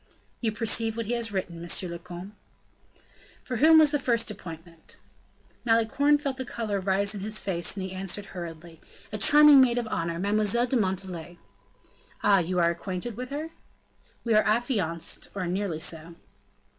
"You perceive what he has written, monsieur le comte." "For whom was the first appointment?" Malicorne felt the color rise in his face as he answered hurriedly. "A charming maid of honor, Mademoiselle de Montalais." "Ah, ah! you are acquainted with her?" "We are affianced, or nearly so."